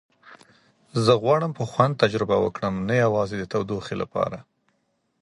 زه غواړم په خوند تجربه وکړم، نه یوازې د تودوخې لپاره.